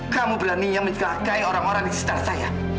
kamu berani yang menjaga orang orang di setara saya